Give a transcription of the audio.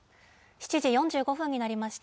７時４５分になりました。